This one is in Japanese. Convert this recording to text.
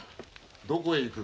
どこへ行く？